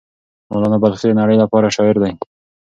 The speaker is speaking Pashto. مولانا بلخي د نړۍ لپاره شاعر دی.